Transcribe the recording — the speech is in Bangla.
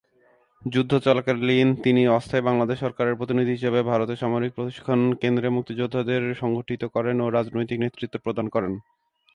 যুদ্ধ চলাকালীন তিনি অস্থায়ী বাংলাদেশ সরকারের প্রতিনিধি হিসেবে ভারতে সামরিক প্রশিক্ষণ কেন্দ্রে মুক্তিযোদ্ধাদের সংগঠিত করেন ও রাজনৈতিক নেতৃত্ব প্রদান করেন।